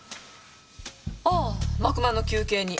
ああ幕間の休憩に。